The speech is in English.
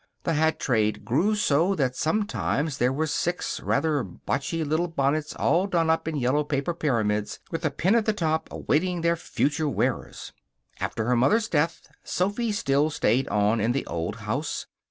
The hat trade grew so that sometimes there were six rather botchy little bonnets all done up in yellow paper pyramids with a pin at the top, awaiting their future wearers. After her mother's death Sophy still stayed on in the old house.